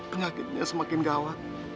penyakitnya semakin gawat